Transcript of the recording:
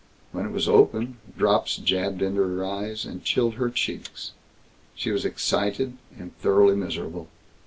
When it was open, drops jabbed into her eyes and chilled her cheeks. She was excited and thoroughly miserable.